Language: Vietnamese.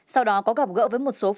sau đó có gặp gỡ với một số người khác